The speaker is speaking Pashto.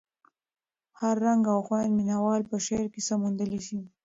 هر رنګ او خوند مینه وال په شعر کې څه موندلی شي.